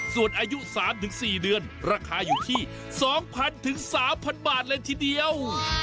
ส่วนอายุ๓๔เดือนราคาอยู่ที่๒๐๐๐๓๐๐บาทเลยทีเดียว